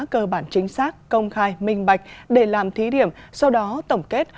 cơ bản chính xác công khai minh bạch để làm thí điểm sau đó tổng kết